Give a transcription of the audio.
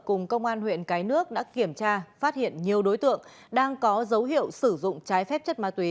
cùng công an huyện cái nước đã kiểm tra phát hiện nhiều đối tượng đang có dấu hiệu sử dụng trái phép chất ma túy